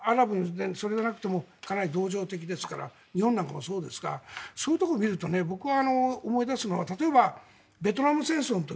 それがなくても同情的ですから日本なんかもそうですがそういうところを見ると僕は思い出すのは例えばベトナム政権の時。